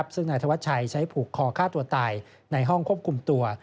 ซึ่งนายธวัชชัยใช้ผูกคอฆ่าตัวตายในห้องควบคุมตัว